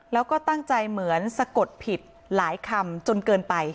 แล้วก็ตั้งใจเหมือนสะกดผิดหลายคำจนเกินไป